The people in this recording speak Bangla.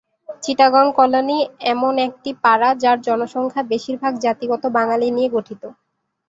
চিটাগাং কলোনি এমন একটি পাড়া যার জনসংখ্যা বেশিরভাগ জাতিগত বাঙালি নিয়ে গঠিত।